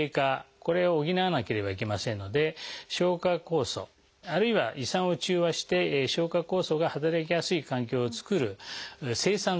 これを補わなければいけませんので消化酵素あるいは胃酸を中和して消化酵素が働きやすい環境を作る制酸剤。